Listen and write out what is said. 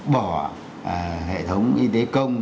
bỏ hệ thống y tế công